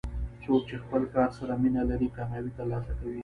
څوک چې خپل کار سره مینه لري، کامیابي ترلاسه کوي.